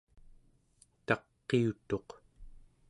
taqiutuq